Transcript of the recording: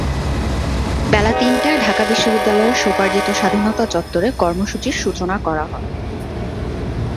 বেলা তিনটায় ঢাকা বিশ্ববিদ্যালয়ের স্বোপার্জিত স্বাধীনতা চত্বরে কর্মসূচির সূচনা করা হবে।